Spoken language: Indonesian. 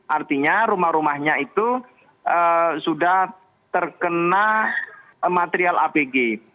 artinya rumah rumahnya itu sudah terkena material apg